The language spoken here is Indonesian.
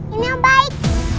ini om baik